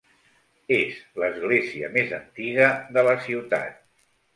És l'església més antiga de la ciutat.